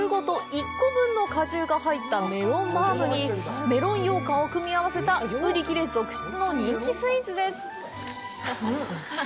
１個分の果汁が入ったメロンバウムにメロンようかんを組み合わせた売り切れ続出の人気スイーツです。